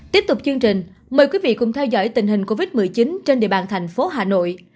tiếp tục chương trình mời quý vị cùng theo dõi tình hình covid một mươi chín trên địa bàn thành phố hà nội